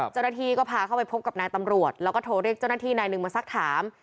เจ้าหน้าที่ก็พาเข้าไปพบกับนายตำรวจแล้วก็โทรเรียกเจ้าหน้าที่นายหนึ่งมาสักถาม